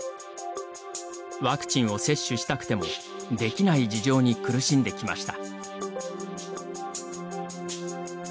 ワクチンを接種をしたくてもできない事情に苦しんできました。